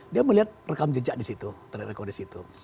dia melihat rekam jejak di situ track record di situ